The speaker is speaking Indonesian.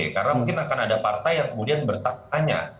karena mungkin akan ada partai yang kemudian bertanya